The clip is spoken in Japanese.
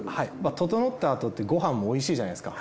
ととのったあとってご飯もおいしいじゃないですか。